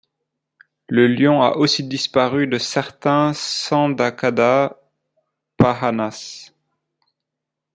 Le lion a aussi disparu de certains sandakada pahanas.